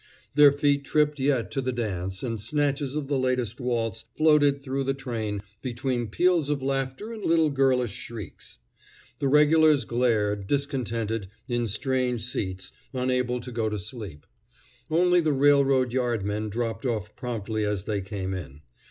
Their feet tripped yet to the dance, and snatches of the latest waltz floated through the train between peals of laughter and little girlish shrieks. The regulars glared, discontented, in strange seats, unable to go to sleep. Only the railroad yardmen dropped off promptly as they came in.